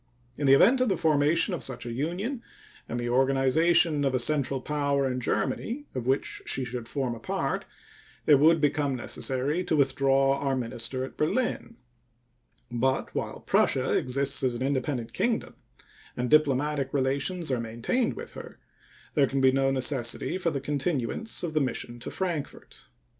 In the event of the formation of such a union and the organization of a central power in Germany of which she should form a part, it would become necessary to withdraw our minister at Berlin; but while Prussia exists as an independent kingdom and diplomatic relations are maintained with her there can be no necessity for the continuance of the mission to Frankfort.